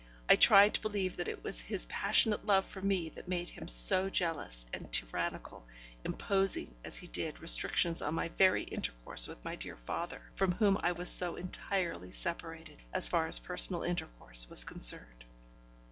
I tried to believe that it was his passionate love for me that made him so jealous and tyrannical, imposing, as he did, restrictions on my very intercourse with my dear father, from whom I was so entirely separated, as far as personal intercourse was concerned.